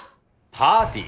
パーティー？